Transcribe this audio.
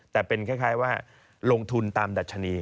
แต่เป็นคล้ายว่าลงทุนตามดัชนี